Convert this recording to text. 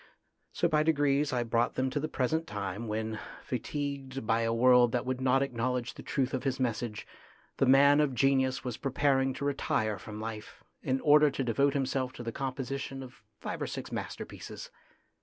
So by degrees I brought them to the present time, when, fatigued by a world that would THE GREAT MAN 261 not acknowledge the truth of his message, the man of genius was preparing to retire from life, in order to devote himself to the compo sition of five or six masterpieces.